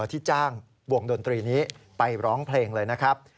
ที่จ้างวงดนตรีนี้ไปร้องเพลงเลยนะครับ